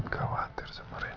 gak akan aku lepasin aku